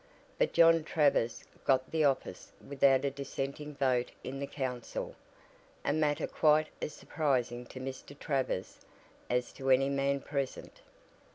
But John Travers got the office without a dissenting vote in the council a matter quite as surprising to Mr. Travers as to any man present.